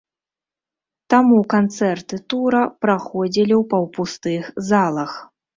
Таму канцэрты тура праходзілі ў паўпустых залах.